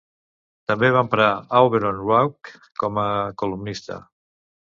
També va emprar Auberon Waugh com a columnista.